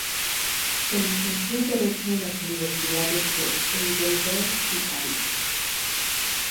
Se licenció en Derecho en las universidades de Heidelberg y París.